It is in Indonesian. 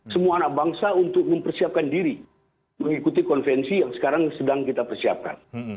semua anak bangsa untuk mempersiapkan diri mengikuti konvensi yang sekarang sedang kita persiapkan